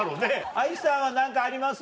あいさんは何かあります？